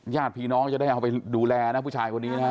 ญาติพี่น้องจะได้เอาไปดูแลนะผู้ชายคนนี้นะฮะ